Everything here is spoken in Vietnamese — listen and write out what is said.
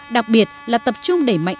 đặc biệt là tập trung đẩy mạnh